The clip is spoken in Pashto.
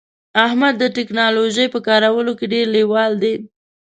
احمد د ټکنالوژی په کارولو کې ډیر لیوال دی